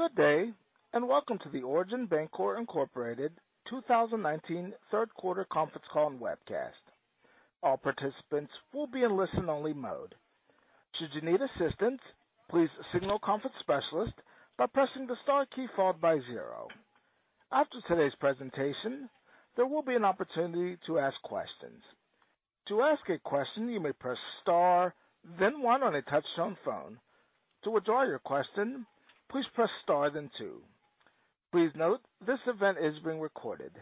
Good day, and welcome to the Origin Bancorp Incorporated 2019 third quarter conference call and webcast. All participants will be in listen only mode. Should you need assistance, please signal conference specialist by pressing the star key followed by zero. After today's presentation, there will be an opportunity to ask questions. To ask a question, you may press star then one on a touch-tone phone. To withdraw your question, please press star then two. Please note, this event is being recorded.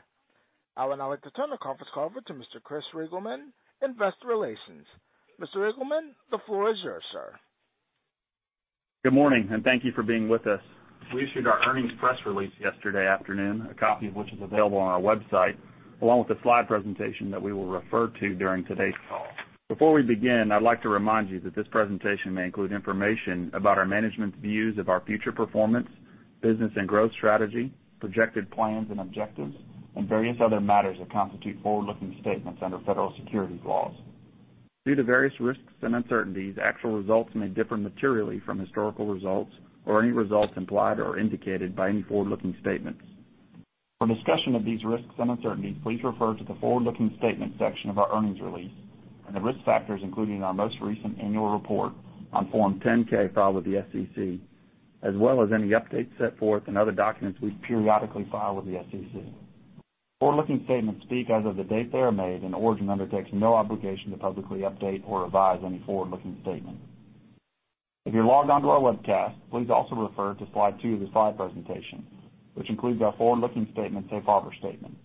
I would now like to turn the conference call over to Mr. Chris Reigelman, investor relations. Mr. Reigelman, the floor is yours, sir. Good morning, and thank you for being with us. We issued our earnings press release yesterday afternoon, a copy of which is available on our website, along with the slide presentation that we will refer to during today's call. Before we begin, I'd like to remind you that this presentation may include information about our management's views of our future performance, business and growth strategy, projected plans and objectives, and various other matters that constitute forward-looking statements under federal securities laws. Due to various risks and uncertainties, actual results may differ materially from historical results or any results implied or indicated by any forward-looking statements. For discussion of these risks and uncertainties, please refer to the forward-looking statement section of our earnings release, and the risk factors including our most recent annual report on Form 10-K filed with the SEC, as well as any updates set forth in other documents we periodically file with the SEC. Forward-looking statements speak as of the date they are made, and Origin undertakes no obligation to publicly update or revise any forward-looking statements. If you're logged onto our webcast, please also refer to slide two of the slide presentation, which includes our forward-looking statement safe harbor statement.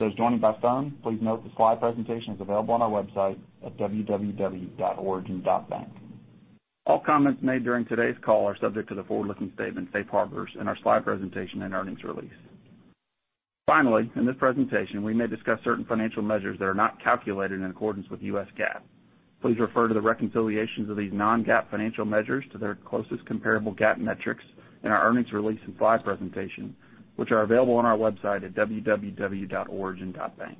Those joining by phone, please note the slide presentation is available on our website at www.origin.bank. All comments made during today's call are subject to the forward-looking statement safe harbors in our slide presentation and earnings release. Finally, in this presentation, we may discuss certain financial measures that are not calculated in accordance with U.S. GAAP. Please refer to the reconciliations of these non-GAAP financial measures to their closest comparable GAAP metrics in our earnings release and slide presentation, which are available on our website at www.origin.bank.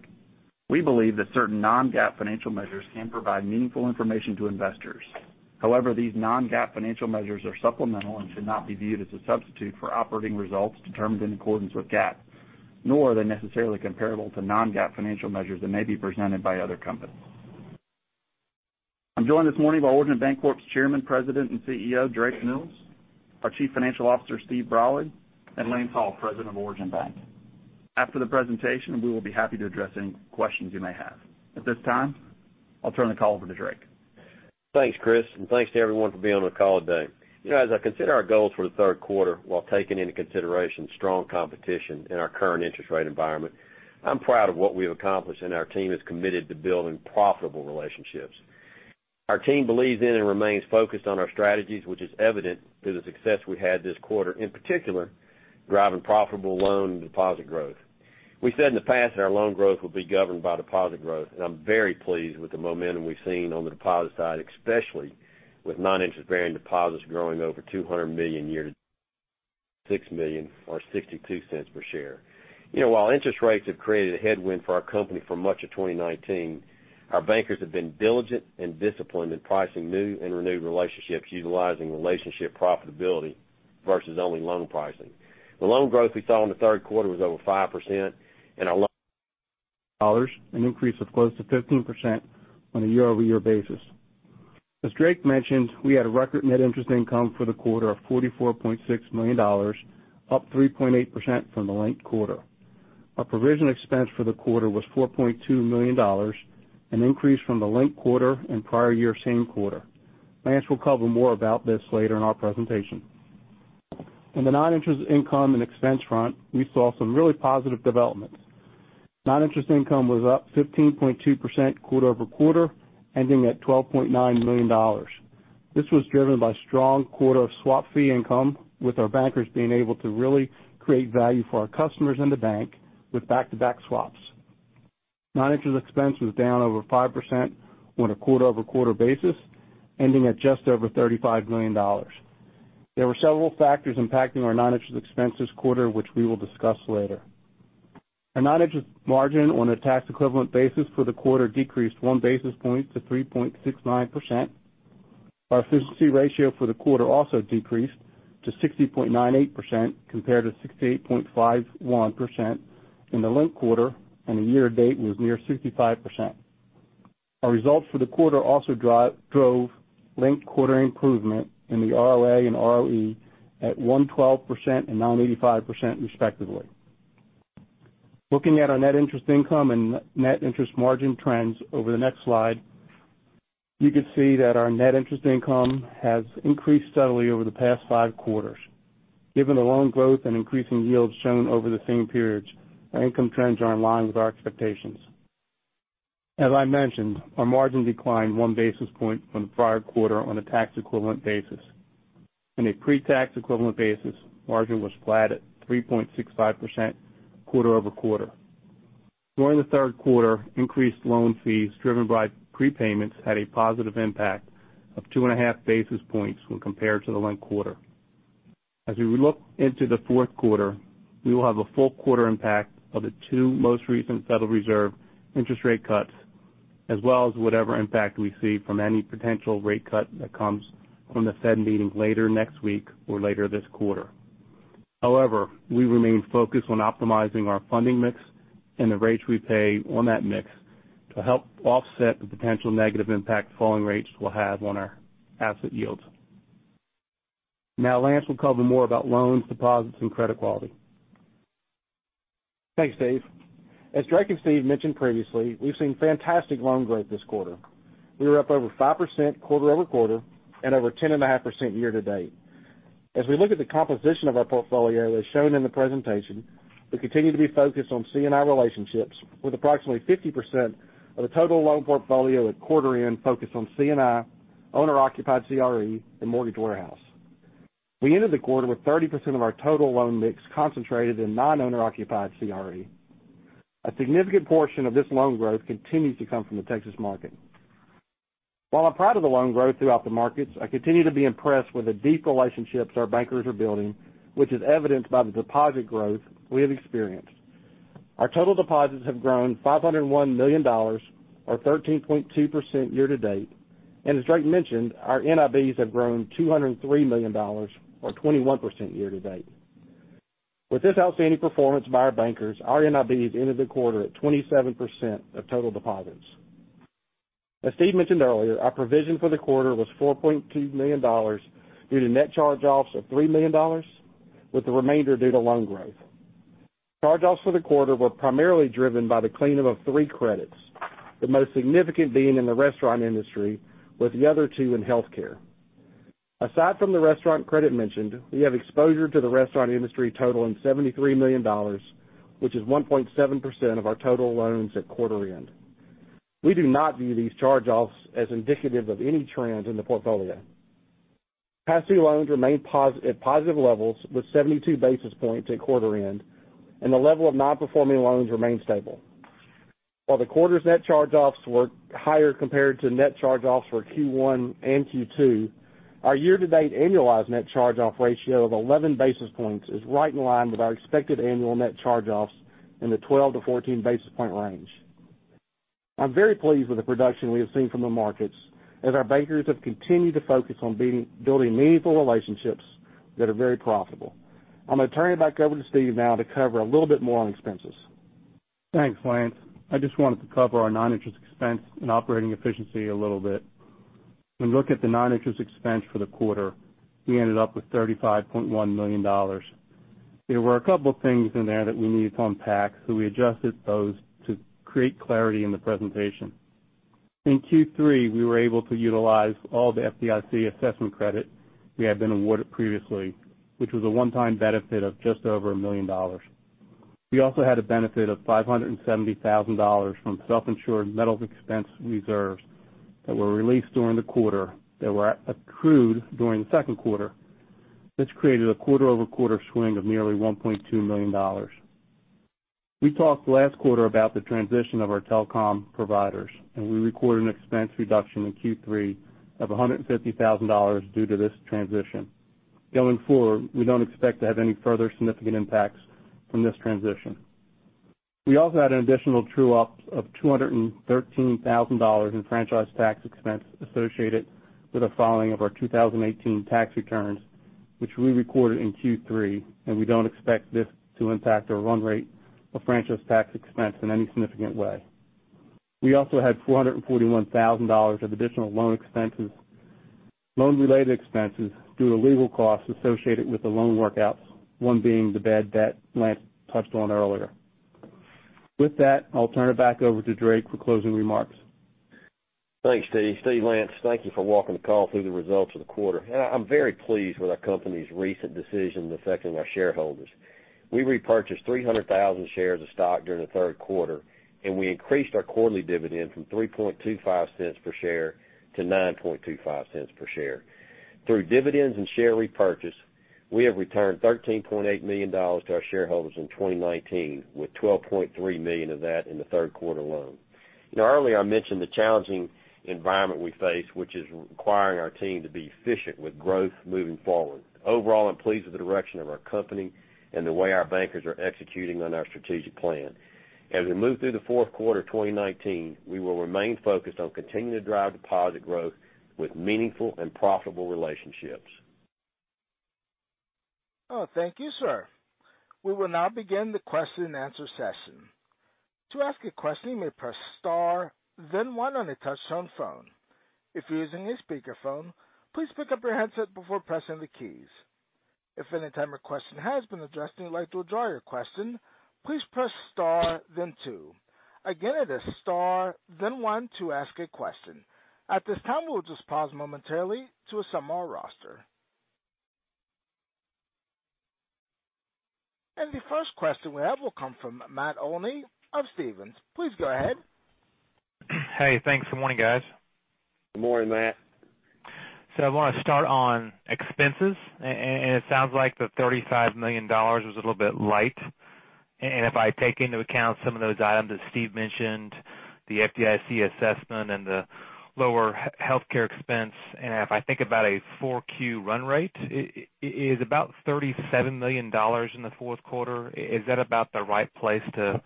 We believe that certain non-GAAP financial measures can provide meaningful information to investors. However, these non-GAAP financial measures are supplemental and should not be viewed as a substitute for operating results determined in accordance with GAAP, nor are they necessarily comparable to non-GAAP financial measures that may be presented by other companies. I'm joined this morning by Origin Bancorp's Chairman, President, and CEO, Drake Mills; our Chief Financial Officer, Steve Brolly; and Lance Hall, President of Origin Bank. After the presentation, we will be happy to address any questions you may have. At this time, I'll turn the call over to Drake. Thanks, Chris, and thanks to everyone for being on the call today. You know, as I consider our goals for the third quarter while taking into consideration strong competition in our current interest rate environment, I'm proud of what we have accomplished, and our team is committed to building profitable relationships. Our team believes in and remains focused on our strategies, which is evident through the success we had this quarter, in particular, driving profitable loan and deposit growth. We said in the past that our loan growth will be governed by deposit growth, and I'm very pleased with the momentum we've seen on the deposit side, especially with non-interest-bearing deposits growing over $6 million, or $0.62 per share. You know, while interest rates have created a headwind for our company for much of 2019, our bankers have been diligent and disciplined in pricing new and renewed relationships utilizing relationship profitability versus only loan pricing. The loan growth we saw in the third quarter was over 5%. Dollars, an increase of close to 15% on a year-over-year basis. As Drake mentioned, we had a record net interest income for the quarter of $44.6 million, up 3.8% from the linked quarter. Our provision expense for the quarter was $4.2 million, an increase from the linked quarter and prior year same quarter. Lance will cover more about this later in our presentation. In the non-interest income and expense front, we saw some really positive developments. Non-interest income was up 15.2% quarter-over-quarter, ending at $12.9 million. This was driven by strong quarter of swap fee income, with our bankers being able to really create value for our customers in the bank with back-to-back swaps. Non-interest expense was down over 5% on a quarter-over-quarter basis, ending at just over $35 million. There were several factors impacting our non-interest expense this quarter, which we will discuss later. Our net interest margin on a tax equivalent basis for the quarter decreased 1 basis point to 3.69%. Our efficiency ratio for the quarter also decreased to 60.98% compared to 68.51% in the linked quarter, and the year to date was near 65%. Our results for the quarter also drove linked quarter improvement in the ROA and ROE at 1.12% and 9.85% respectively. Looking at our net interest income and net interest margin trends over the next slide, you can see that our net interest income has increased steadily over the past five quarters. Given the loan growth and increasing yields shown over the same periods, our income trends are in line with our expectations. As I mentioned, our margin declined one basis point from the prior quarter on a tax equivalent basis. In a pre-tax equivalent basis, margin was flat at 3.65% quarter-over-quarter. During the third quarter, increased loan fees driven by prepayments had a positive impact of two and a half basis points when compared to the linked quarter. As we look into the fourth quarter, we will have a full quarter impact of the two most recent Federal Reserve interest rate cuts, as well as whatever impact we see from any potential rate cut that comes from the Fed meeting later next week or later this quarter. We remain focused on optimizing our funding mix and the rates we pay on that mix to help offset the potential negative impact falling rates will have on our asset yields. Lance will cover more about loans, deposits, and credit quality. Thanks, Steve. As Drake and Steve mentioned previously, we've seen fantastic loan growth this quarter. We were up over 5% quarter-over-quarter and over 10.5% year-to-date. As we look at the composition of our portfolio, as shown in the presentation, we continue to be focused on C&I relationships with approximately 50% of the total loan portfolio at quarter end focused on C&I, owner-occupied CRE, and mortgage warehouse. We ended the quarter with 30% of our total loan mix concentrated in non-owner occupied CRE. A significant portion of this loan growth continues to come from the Texas market. While I'm proud of the loan growth throughout the markets, I continue to be impressed with the deep relationships our bankers are building, which is evidenced by the deposit growth we have experienced. Our total deposits have grown $501 million or 13.2% year-to-date. As Drake mentioned, our NIBs have grown $203 million or 21% year to date. With this outstanding performance by our bankers, our NIBs ended the quarter at 27% of total deposits. As Steve mentioned earlier, our provision for the quarter was $4.2 million due to net charge-offs of $3 million, with the remainder due to loan growth. Charge-offs for the quarter were primarily driven by the clean up of three credits, the most significant being in the restaurant industry, with the other two in healthcare. Aside from the restaurant credit mentioned, we have exposure to the restaurant industry totaling $73 million, which is 1.7% of our total loans at quarter end. We do not view these charge-offs as indicative of any trend in the portfolio. Past due loans remain at positive levels, with 72 basis points at quarter end. The level of non-performing loans remains stable. While the quarter's net charge-offs were higher compared to net charge-offs for Q1 and Q2, our year-to-date annualized net charge-off ratio of 11 basis points is right in line with our expected annual net charge-offs in the 12-14 basis point range. I'm very pleased with the production we have seen from the markets as our bankers have continued to focus on building meaningful relationships that are very profitable. I'm going to turn it back over to Steve now to cover a little bit more on expenses. Thanks, Lance. I just wanted to cover our non-interest expense and operating efficiency a little bit. When you look at the non-interest expense for the quarter, we ended up with $35.1 million. There were a couple of things in there that we needed to unpack, so we adjusted those to create clarity in the presentation. In Q3, we were able to utilize all the FDIC assessment credit we had been awarded previously, which was a one-time benefit of just over $1 million. We also had a benefit of $570,000 from self-insured medical expense reserves that were released during the quarter that were accrued during the second quarter. This created a quarter-over-quarter swing of nearly $1.2 million. We talked last quarter about the transition of our telecom providers, and we recorded an expense reduction in Q3 of $150,000 due to this transition. Going forward, we don't expect to have any further significant impacts from this transition. We also had an additional true-up of $213,000 in franchise tax expense associated with the filing of our 2018 tax returns, which we recorded in Q3, and we don't expect this to impact our run rate of franchise tax expense in any significant way. We also had $441,000 of additional loan-related expenses due to legal costs associated with the loan workouts, one being the bad debt Lance touched on earlier. With that, I'll turn it back over to Drake for closing remarks. Thanks, Steve. Steve, Lance, thank you for walking the call through the results of the quarter. I'm very pleased with our company's recent decisions affecting our shareholders. We repurchased 300,000 shares of stock during the third quarter, and we increased our quarterly dividend from $0.0325 per share to $0.0925 per share. Through dividends and share repurchase, we have returned $13.8 million to our shareholders in 2019, with $12.3 million of that in the third quarter alone. Earlier I mentioned the challenging environment we face, which is requiring our team to be efficient with growth moving forward. Overall, I'm pleased with the direction of our company and the way our bankers are executing on our strategic plan. As we move through the fourth quarter of 2019, we will remain focused on continuing to drive deposit growth with meaningful and profitable relationships. Thank you, sir. We will now begin the question and answer session. To ask a question, you may press star then one on a touchtone phone. If you're using a speakerphone, please pick up your headset before pressing the keys. If any time your question has been addressed and you'd like to withdraw your question, please press star then two. Again, it is star then one to ask a question. At this time, we'll just pause momentarily to assemble our roster. The first question we have will come from Matt Olney of Stephens. Please go ahead. Hey, thanks. Good morning, guys. Good morning, Matt. I want to start on expenses, and it sounds like the $35 million was a little bit light. If I take into account some of those items that Steve mentioned, the FDIC assessment and the lower healthcare expense, and if I think about a four Q run rate, is about $37 million in the fourth quarter, is that about the right place to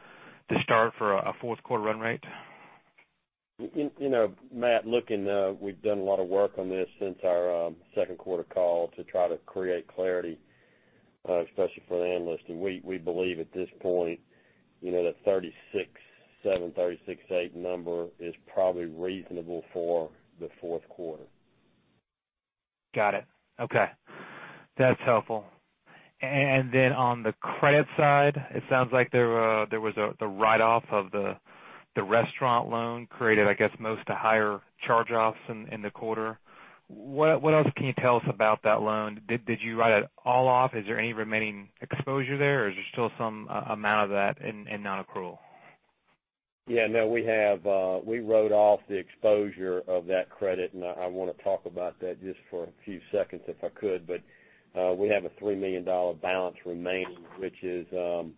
start for a fourth quarter run rate? Matt, we've done a lot of work on this since our second quarter call to try to create clarity, especially for the analysts. We believe at this point, that 36.7, 36.8 number is probably reasonable for the fourth quarter. Got it. Okay. That's helpful. On the credit side, it sounds like there was the write-off of the restaurant loan created, I guess, most of the higher charge-offs in the quarter. What else can you tell us about that loan? Did you write it all off? Is there any remaining exposure there, or is there still some amount of that in non-accrual? No, we wrote off the exposure of that credit. I want to talk about that just for a few seconds, if I could. We have a $3 million balance remaining, which is the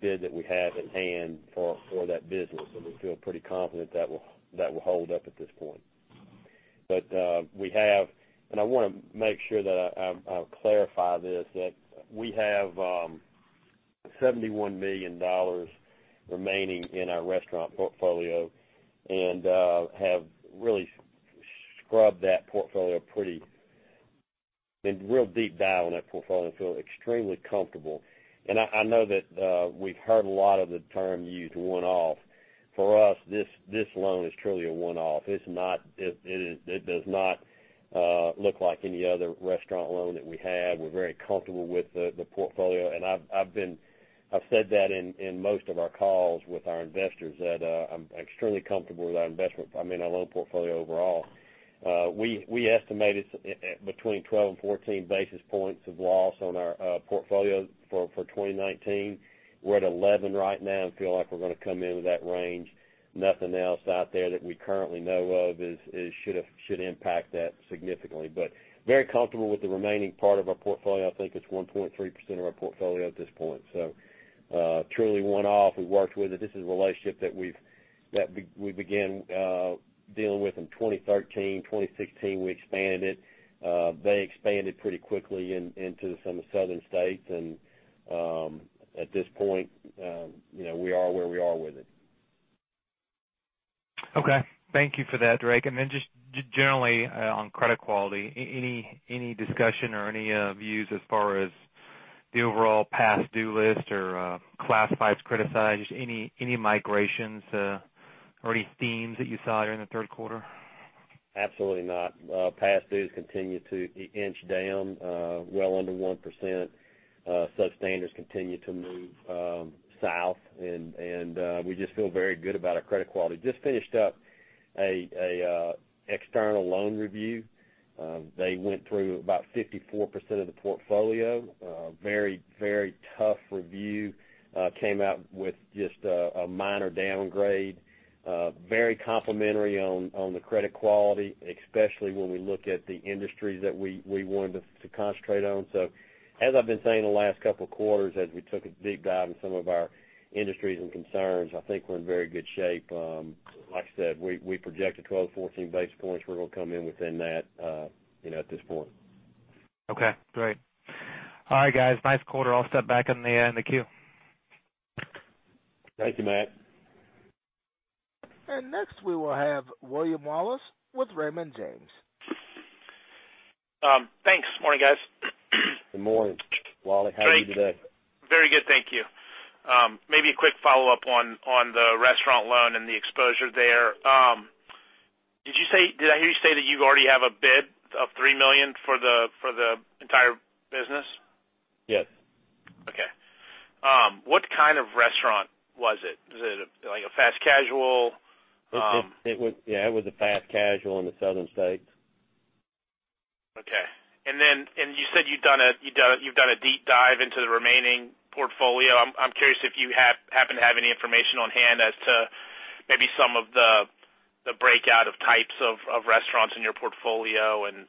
bid that we have at hand for that business. We feel pretty confident that will hold up at this point. We have, I want to make sure that I clarify this, that we have $71 million remaining in our restaurant portfolio and have really scrubbed that portfolio pretty, did a real deep dive on that portfolio. We feel extremely comfortable. I know that we've heard a lot of the term used, one-off. For us, this loan is truly a one-off. It does not look like any other restaurant loan that we have. We're very comfortable with the portfolio, and I've said that in most of our calls with our investors, that I'm extremely comfortable with our loan portfolio overall. We estimated between 12 and 14 basis points of loss on our portfolio for 2019. We're at 11 right now and feel like we're going to come into that range. Nothing else out there that we currently know of should impact that significantly. Very comfortable with the remaining part of our portfolio. I think it's 1.3% of our portfolio at this point. Truly one-off. We've worked with it. This is a relationship that we began dealing with in 2013. In 2016, we expanded it. They expanded pretty quickly into some of the southern states, and at this point we are where we are with it. Okay. Thank you for that, Drake. Just generally on credit quality, any discussion or any views as far as the overall past due list or classified credit side? Just any migrations or any themes that you saw during the third quarter? Absolutely not. Past dues continue to inch down well under 1%. Substandards continue to move south, and we just feel very good about our credit quality. Just finished up an external loan review. They went through about 54% of the portfolio. Very tough review. Came out with just a minor downgrade. Very complimentary on the credit quality, especially when we look at the industries that we wanted to concentrate on. As I've been saying the last couple of quarters, as we took a deep dive in some of our industries and concerns, I think we're in very good shape. Like I said, we projected 12-14 basis points. We're going to come in within that at this point. Okay, great. All right, guys, nice quarter. I'll step back in the queue. Thank you, Matt. Next we will have William Wallace with Raymond James. Thanks. Morning, guys. Good morning, Wally. How are you today? Very good, thank you. Maybe a quick follow-up on the restaurant loan and the exposure there. Did I hear you say that you already have a bid of $3 million for the entire business? Yes. Okay. What kind of restaurant was it? Was it like a fast casual? Yeah, it was a fast casual in the southern states. Okay. You said you've done a deep dive into the remaining portfolio. I'm curious if you happen to have any information on hand as to maybe some of the breakout of types of restaurants in your portfolio and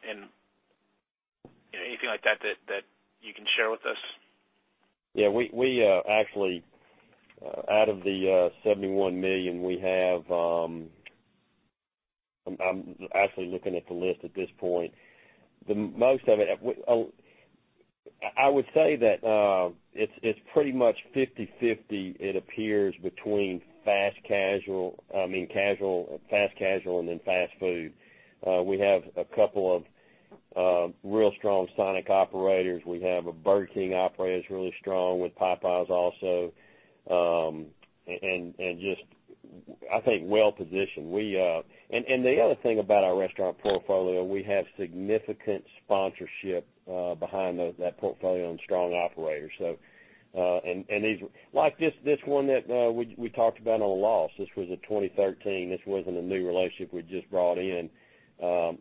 anything like that you can share with us? We actually, out of the $71 million, I'm actually looking at the list at this point. I would say that it's pretty much 50/50, it appears, between fast casual and then fast food. We have a couple of real strong Sonic operators. We have a Burger King operator that's really strong, with Popeyes also, and just, I think, well-positioned. The other thing about our restaurant portfolio, we have significant sponsorship behind that portfolio and strong operators. Like this one that we talked about on a loss, this was a 2013, this wasn't a new relationship we just brought in,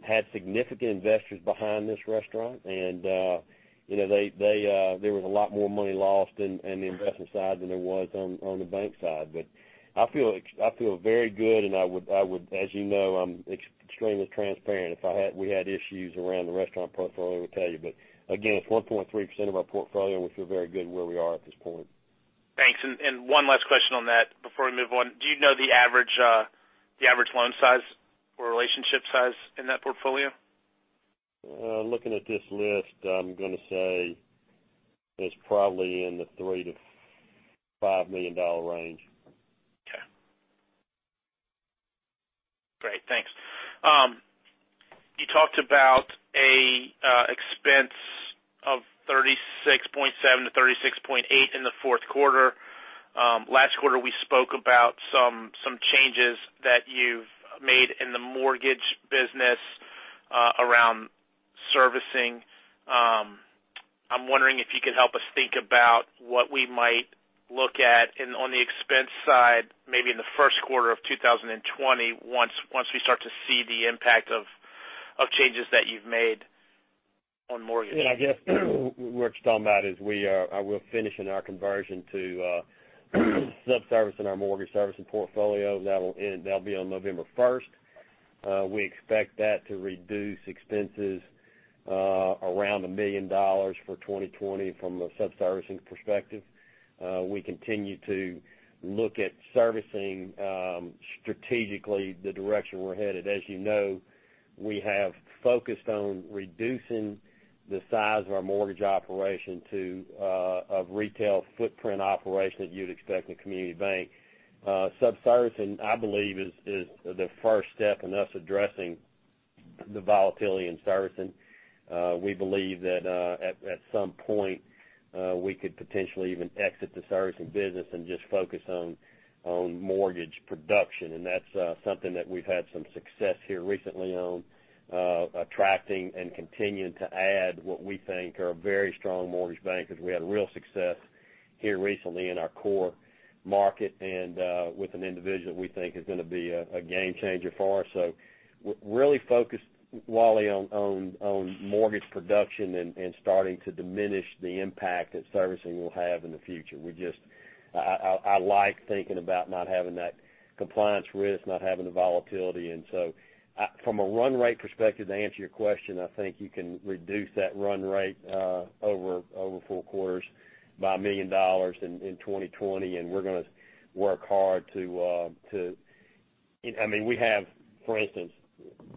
had significant investors behind this restaurant, and there was a lot more money lost in the investment side than there was on the bank side. I feel very good, and as you know, I'm extremely transparent. If we had issues around the restaurant portfolio, I would tell you. Again, it's 1.3% of our portfolio, and we feel very good where we are at this point. Thanks. One last question on that before we move on. Do you know the average loan size or relationship size in that portfolio? Looking at this list, I'm going to say it's probably in the $3 million-$5 million range. Okay. Great, thanks. You talked about an expense of 36.7 to 36.8 in the fourth quarter. Last quarter, we spoke about some changes that you've made in the mortgage business around servicing. I'm wondering if you could help us think about what we might look at on the expense side, maybe in the first quarter of 2020, once we start to see the impact of changes that you've made on mortgage. I guess what you're talking about is we are finishing our conversion to sub-servicing our mortgage servicing portfolio. That'll be on November 1st. We expect that to reduce expenses around $1 million for 2020 from the sub-servicing perspective. We continue to look at servicing strategically the direction we're headed. As you know, we have focused on reducing the size of our mortgage operation to a retail footprint operation that you'd expect in a community bank. Sub-servicing, I believe, is the first step in us addressing the volatility in servicing. We believe that at some point, we could potentially even exit the servicing business and just focus on mortgage production. That's something that we've had some success here recently on attracting and continuing to add what we think are very strong mortgage bankers. We had real success here recently in our core market, and with an individual we think is going to be a game changer for us. We're really focused, Wally, on mortgage production and starting to diminish the impact that servicing will have in the future. I like thinking about not having that compliance risk, not having the volatility. From a run rate perspective, to answer your question, I think you can reduce that run rate over four quarters by $1 million in 2020. We're going to work hard. We have, for instance,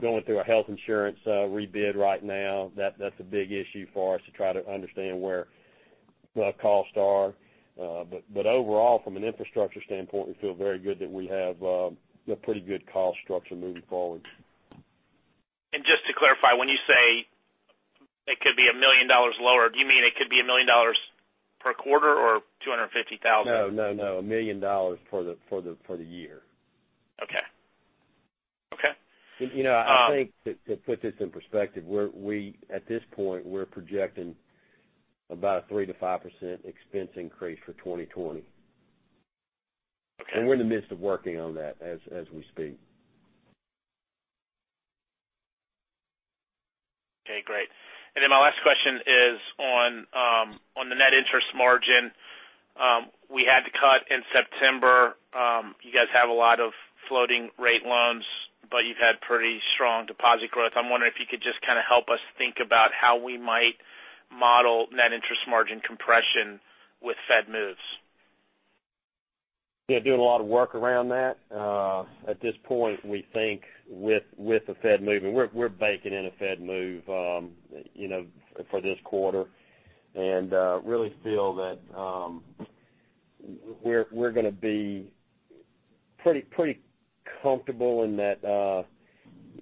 going through our health insurance rebid right now. That's a big issue for us to try to understand where the costs are. Overall, from an infrastructure standpoint, we feel very good that we have a pretty good cost structure moving forward. Just to clarify, when you say it could be $1 million lower, do you mean it could be $1 million per quarter or $250,000? No. $1 million for the year. Okay. I think to put this in perspective, at this point, we're projecting about a 3%-5% expense increase for 2020. Okay. We're in the midst of working on that as we speak. Okay, great. Then my last question is on the net interest margin. We had to cut in September. You guys have a lot of floating rate loans, but you've had pretty strong deposit growth. I'm wondering if you could just kind of help us think about how we might model net interest margin compression with Fed moves. Yeah, doing a lot of work around that. At this point, we think with the Fed moving, we're baking in a Fed move for this quarter and really feel that we're going to be pretty comfortable in that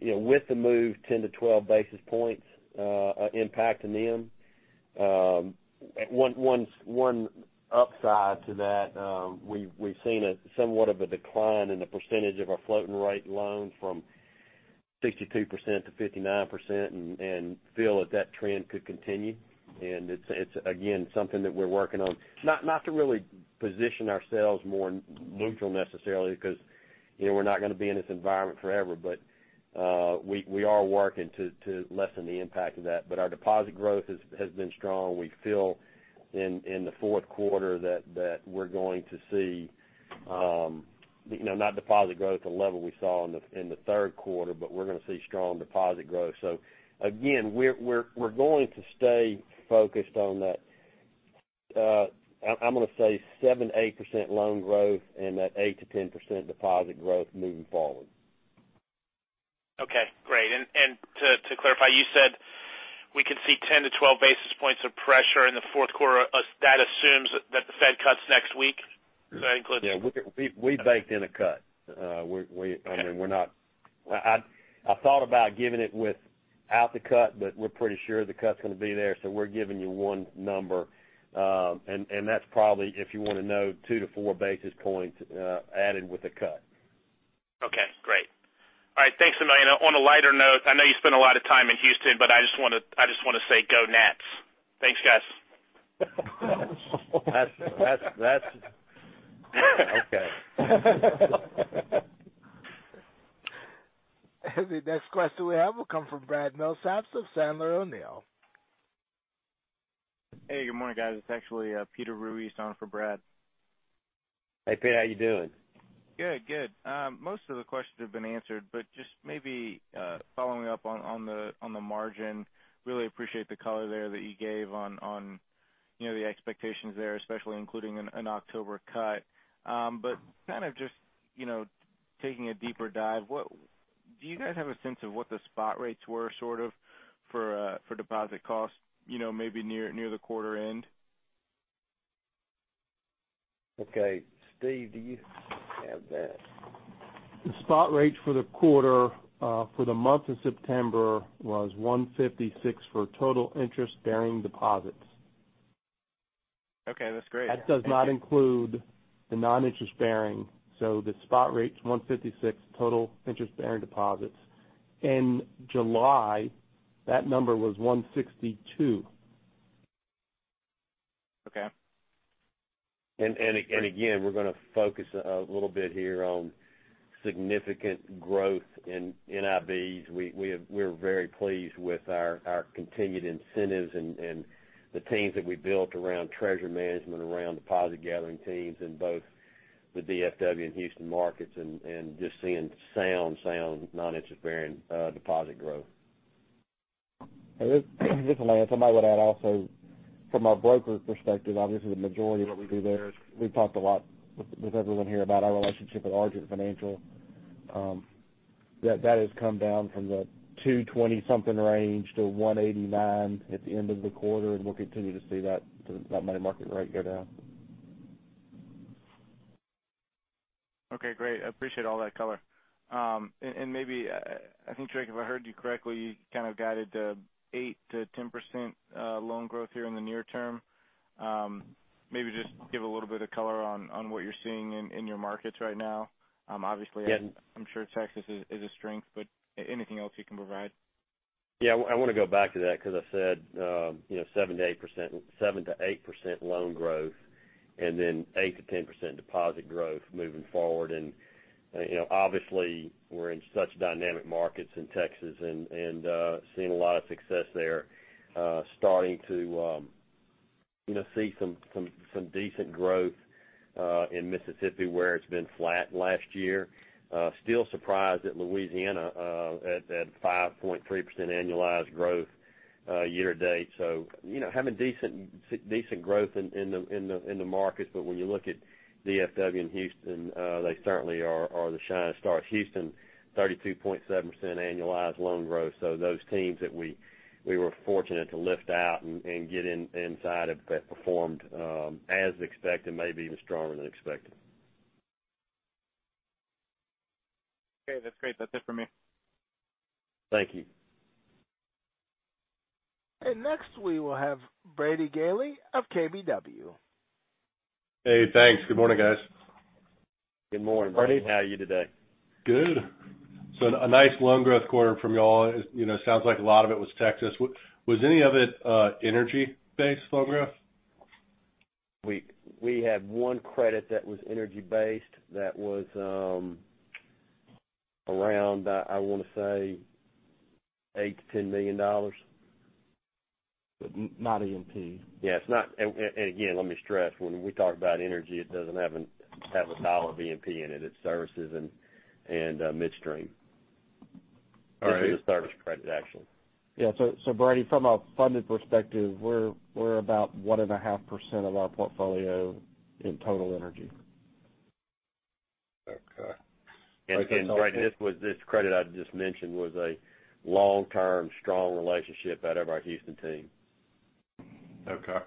with the move, 10-12 basis points impacting them. One upside to that, we've seen somewhat of a decline in the percentage of our floating rate loans from 62% to 59% and feel that that trend could continue. It's, again, something that we're working on, not to really position ourselves more neutral necessarily because we're not going to be in this environment forever, but we are working to lessen the impact of that. Our deposit growth has been strong. We feel in the fourth quarter that we're going to see, not deposit growth at the level we saw in the third quarter, but we're going to see strong deposit growth. Again, we're going to stay focused on that, I'm going to say 7%-8% loan growth and that 8%-10% deposit growth moving forward. Okay, great. To clarify, you said we could see 10 to 12 basis points of pressure in the fourth quarter. That assumes that the Fed cuts next week? Does that include. Yeah. We baked in a cut. Okay. I thought about giving it without the cut, but we're pretty sure the cut's going to be there, so we're giving you one number. That's probably, if you want to know, two to four basis points added with a cut. Okay, great. All right, thanks a million. On a lighter note, I know you spend a lot of time in Houston, but I just want to say go Nats. Thanks, guys. Okay. The next question we have will come from Brad Milsaps of Sandler O'Neill. Hey, good morning, guys. It's actually Peter Ruiz on for Brad. Hey, Pete, how you doing? Good. Most of the questions have been answered, but just maybe following up on the margin, really appreciate the color there that you gave on the expectations there, especially including an October cut. Kind of just taking a deeper dive, do you guys have a sense of what the spot rates were sort of for deposit costs maybe near the quarter end? Okay, Steve, do you have that? The spot rates for the quarter for the month of September was 156 for total interest-bearing deposits. Okay, that's great. That does not include the Non-Interest-Bearing. The spot rate's 156 total interest-bearing deposits. In July, that number was 162. Okay. Again, we're going to focus a little bit here on significant growth in NIB. We're very pleased with our continued incentives and the teams that we built around treasury management, around deposit gathering teams in both the DFW and Houston markets, and just seeing sound non-interest-bearing deposit growth. This is Lance. I might would add also from a broker perspective, obviously, the majority of what we do there is we've talked a lot with everyone here about our relationship with Argent Financial. That has come down from the 220 something range to 189 at the end of the quarter, and we'll continue to see that money market rate go down. Okay, great. I appreciate all that color. Maybe, I think, Drake, if I heard you correctly, you kind of guided the 8%-10% loan growth here in the near term. Maybe just give a little bit of color on what you're seeing in your markets right now. Yeah I'm sure Texas is a strength, but anything else you can provide? Yeah, I want to go back to that because I said 7%-8% loan growth 8%-10% deposit growth moving forward. Obviously, we're in such dynamic markets in Texas and seeing a lot of success there. Starting to see some decent growth in Mississippi, where it's been flat last year. Still surprised at Louisiana at 5.3% annualized growth year to date. Having decent growth in the markets. When you look at DFW and Houston, they certainly are the shining stars. Houston, 32.7% annualized loan growth. Those teams that we were fortunate to lift out and get inside of that performed as expected, maybe even stronger than expected. Okay, that's great. That's it for me. Thank you. Next, we will have Brady Gailey of KBW. Hey, thanks. Good morning, guys. Good morning. Brady, how are you today? Good. A nice loan growth quarter from you all. Sounds like a lot of it was Texas. Was any of it energy-based loan growth? We have one credit that was energy based that was around, I want to say, $8 million-$10 million. Not E&P. Again, let me stress, when we talk about energy, it doesn't have $1 of E&P in it. It's services and midstream. All right. This is a service credit action. Yeah. Brady, from a funded perspective, we're about 1.5% of our portfolio in total energy. Okay. Again, Brady, this credit I just mentioned was a long-term, strong relationship out of our Houston team. Okay.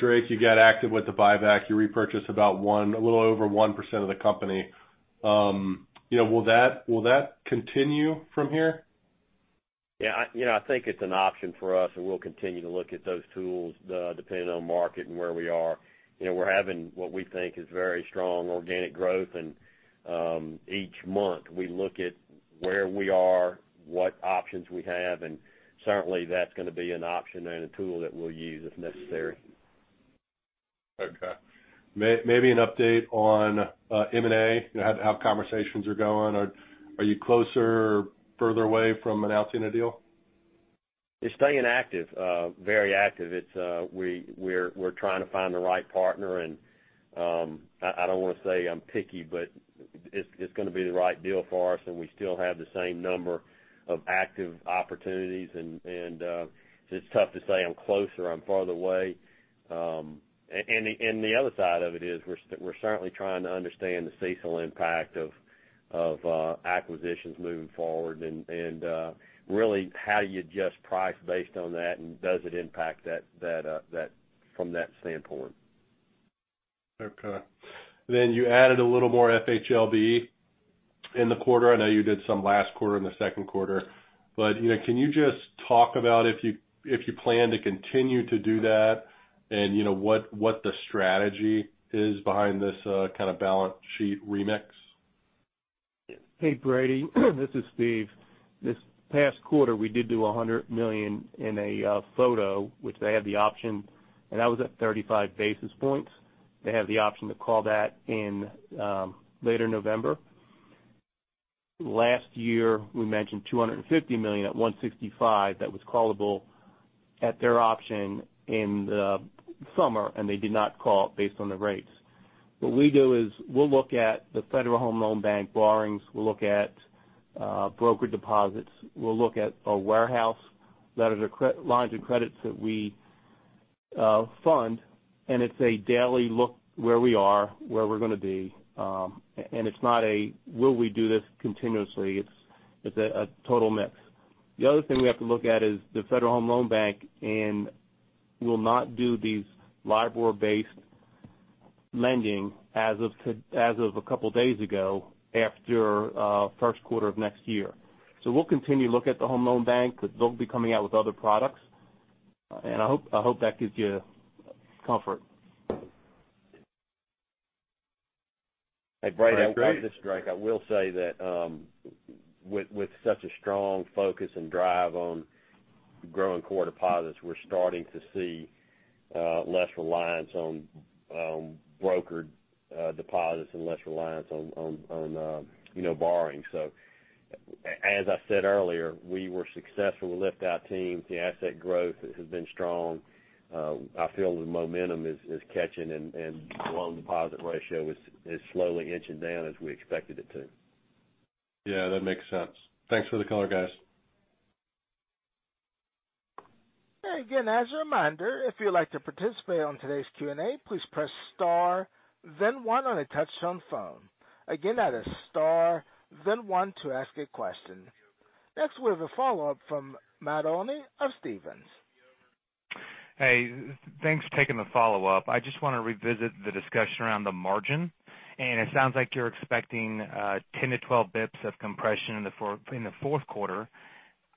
Drake, you got active with the buyback. You repurchased about a little over 1% of the company. Will that continue from here? Yeah. I think it's an option for us. We'll continue to look at those tools, depending on market and where we are. We're having what we think is very strong organic growth. Each month, we look at where we are, what options we have, and certainly, that's going to be an option and a tool that we'll use if necessary. Okay. Maybe an update on M&A, how conversations are going? Are you closer or further away from announcing a deal? It's staying active, very active. We're trying to find the right partner, I don't want to say I'm picky, but it's going to be the right deal for us, we still have the same number of active opportunities. It's tough to say I'm closer, I'm farther away. The other side of it is we're certainly trying to understand the CECL impact of acquisitions moving forward really how do you adjust price based on that, does it impact from that standpoint? Okay. You added a little more FHLB in the quarter. I know you did some last quarter in the second quarter, can you just talk about if you plan to continue to do that and what the strategy is behind this kind of balance sheet remix? Hey, Brady, this is Steve. This past quarter, we did do $100 million in a putable, which they had the option, and that was at 35 basis points. They have the option to call that in later November. Last year, we mentioned $250 million at 165 that was callable at their option in the summer, and they did not call based on the rates. What we do is we'll look at the Federal Home Loan Bank borrowings. We'll look at broker deposits. We'll look at a warehouse lines of credits that we fund, and it's a daily look where we are, where we're going to be. It's not a will we do this continuously. It's a total mix. The other thing we have to look at is the Federal Home Loan Bank, and we will not do these LIBOR-based lending as of a couple of days ago, after first quarter of next year. We'll continue to look at the Home Loan Bank. They'll be coming out with other products, and I hope that gives you comfort. Hey, Brad. This is Drake. I will say that with such a strong focus and drive on growing core deposits, we're starting to see less reliance on brokered deposits and less reliance on borrowing. As I said earlier, we were successful. We lift our teams. The asset growth has been strong. I feel the momentum is catching, and the loan deposit ratio is slowly inching down as we expected it to. Yeah, that makes sense. Thanks for the color, guys. Again, as a reminder, if you'd like to participate on today's Q&A, please press star then one on a touch-tone phone. Again, that is star then one to ask a question. Next, we have a follow-up from Matt Olney of Stephens. Hey, thanks for taking the follow-up. I just want to revisit the discussion around the margin. It sounds like you're expecting 10 to 12 basis points of compression in the fourth quarter.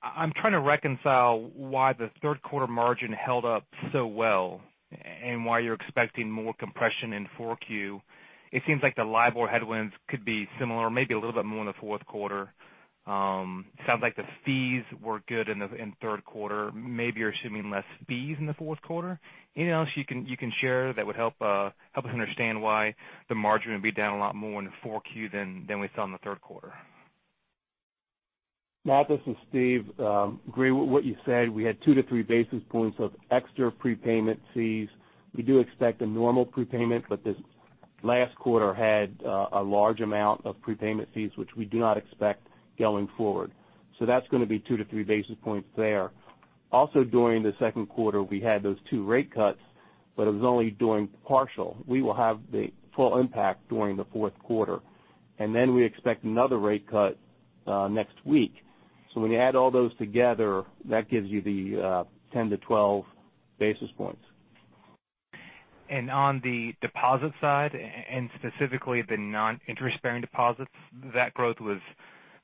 I'm trying to reconcile why the third quarter margin held up so well and why you're expecting more compression in four Q. It seems like the LIBOR headwinds could be similar, maybe a little bit more in the fourth quarter. Sounds like the fees were good in third quarter. Maybe you're assuming less fees in the fourth quarter. Anything else you can share that would help us understand why the margin would be down a lot more in the four Q than we saw in the third quarter? Matt, this is Steve. Agree with what you said. We had 2 to 3 basis points of extra prepayment fees. We do expect a normal prepayment, but this last quarter had a large amount of prepayment fees, which we do not expect going forward. That's going to be 2 to 3 basis points there. Also, during the second quarter, we had those two rate cuts, but it was only doing partial. We will have the full impact during the fourth quarter, we expect another rate cut next week. When you add all those together, that gives you the 10 to 12 basis points. On the deposit side, and specifically the non-interest-bearing deposits, that growth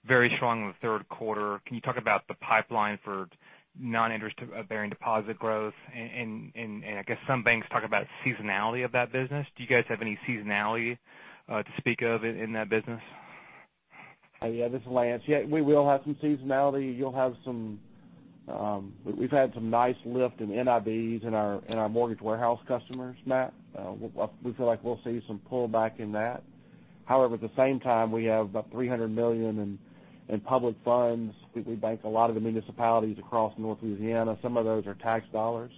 was very strong in the third quarter. Can you talk about the pipeline for non-interest-bearing deposit growth? I guess some banks talk about seasonality of that business. Do you guys have any seasonality to speak of in that business? Yeah, this is Lance. We will have some seasonality. We've had some nice lift in NIBs in our mortgage warehouse customers, Matt. We feel like we'll see some pullback in that. However, at the same time, we have about $300 million in public funds. We bank a lot of the municipalities across North Louisiana. Some of those are tax dollars.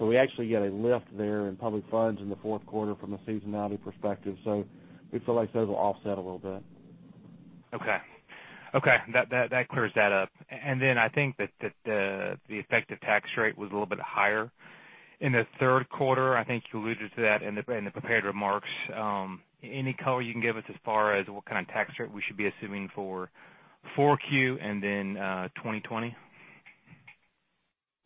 We actually get a lift there in public funds in the fourth quarter from a seasonality perspective. We feel like those will offset a little bit. Okay. That clears that up. I think that the effective tax rate was a little bit higher in the third quarter. I think you alluded to that in the prepared remarks. Any color you can give us as far as what kind of tax rate we should be assuming for 4Q and then 2020?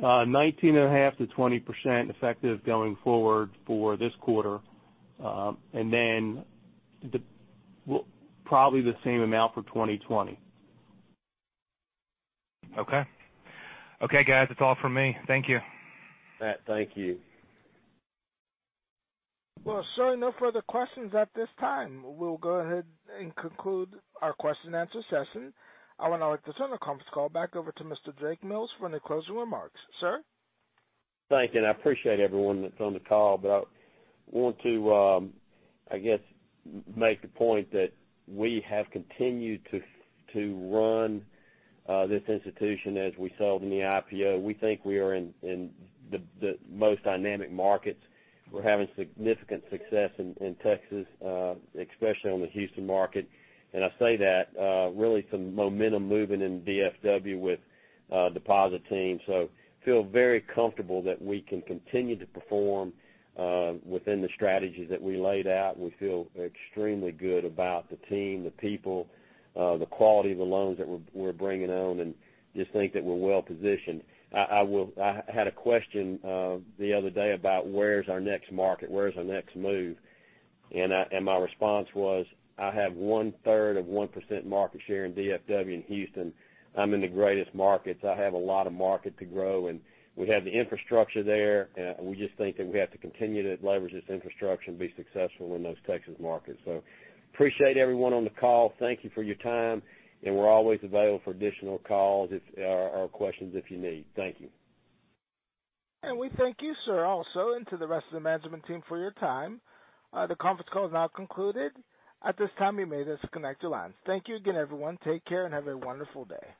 19.5% to 20% effective going forward for this quarter, and then probably the same amount for 2020. Okay. Okay, guys, that's all from me. Thank you. Matt, thank you. Well, sir, no further questions at this time. We'll go ahead and conclude our question and answer session. I would now like to turn the conference call back over to Mr. Drake Mills for any closing remarks. Sir? Thank you, and I appreciate everyone that's on the call, but I want to, I guess, make the point that we have continued to run this institution as we sold in the IPO. We think we are in the most dynamic markets. We're having significant success in Texas, especially on the Houston market. I say that really some momentum moving in DFW with deposit team. Feel very comfortable that we can continue to perform within the strategies that we laid out. We feel extremely good about the team, the people, the quality of the loans that we're bringing on, and just think that we're well-positioned. I had a question the other day about where's our next market, where's our next move? My response was, I have one-third of 1% market share in DFW and Houston. I'm in the greatest markets. I have a lot of market to grow, and we have the infrastructure there, and we just think that we have to continue to leverage this infrastructure and be successful in those Texas markets. Appreciate everyone on the call. Thank you for your time, and we're always available for additional calls or questions if you need. Thank you. We thank you, sir, also, and to the rest of the management team for your time. The conference call is now concluded. At this time, you may disconnect your lines. Thank you again, everyone. Take care and have a wonderful day.